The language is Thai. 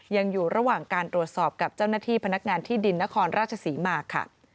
ยังอยู่ระหว่างการตรวจสอบกับเจ้าหน้าที่พนักงานที่ดินนครราชศรีมาค่ะ